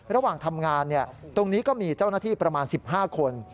ระหว่างทำงานตรงนี้ก็มีเจ้าหน้าที่ประมาณ๑๕คน